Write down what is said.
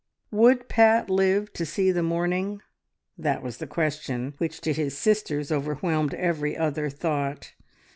Would Pat live to see the morning? That was the question which to his sisters overwhelmed every other thought.